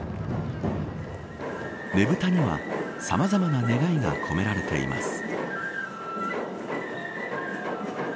ねぶたには、さまざまな願いが込められています。